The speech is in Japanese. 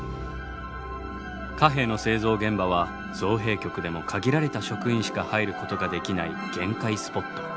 貨幣の製造現場は造幣局でも限られた職員しか入ることができない厳戒スポット。